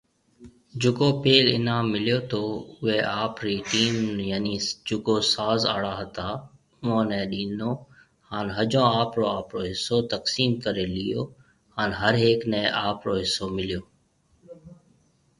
جڪو پيل انعام مليو تو اوئي آپري ٽيم يعني جڪو ساز آڙا هتا اوئون ني ڏيني هان ۿجون آپرو آپرو حصو تقسيم ڪري ليئو هان هر هيڪ ني آپرو حصو مليو۔